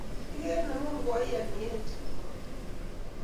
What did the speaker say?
Iker nengung koyaiin ietu